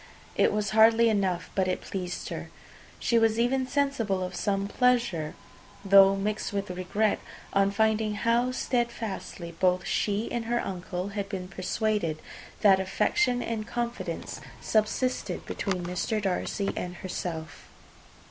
It was hardly enough; but it pleased her. She was even sensible of some pleasure, though mixed with regret, on finding how steadfastly both she and her uncle had been persuaded that affection and confidence subsisted between Mr. Darcy and herself.